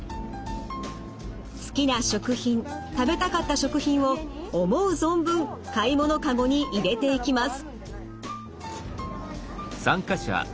好きな食品食べたかった食品を思う存分買い物かごに入れていきます。